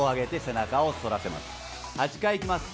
８回いきます